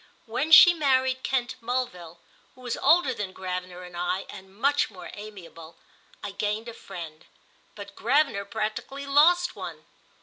When she married Kent Mulville, who was older than Gravener and I and much more amiable, I gained a friend, but Gravener practically lost one.